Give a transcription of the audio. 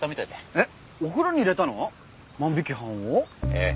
えっ！？